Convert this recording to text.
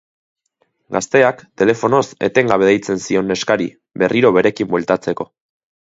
Gazteak telefonoz etengabe deitzen zion neskari berriro berekin bueltatzeko.